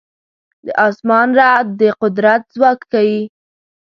د اسمان رعد د قدرت ځواک ښيي.